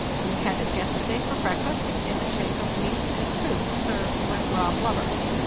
We had it yesterday for breakfast, in the shape of meat and soup served with raw blubber.